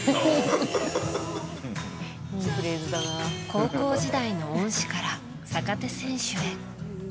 高校時代の恩師から坂手選手へ。